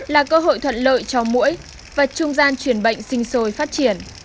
là cơ hội thuận lợi cho mũi và trung gian truyền bệnh sinh sôi phát triển